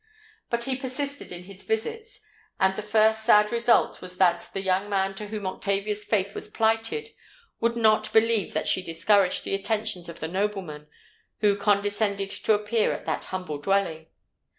"But he persisted in his visits; and the first sad result was that the young man to whom Octavia's faith was plighted, would not believe that she discouraged the attentions of the nobleman who condescended to appear at that humble dwelling.